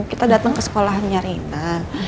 kita dateng ke sekolahnya rena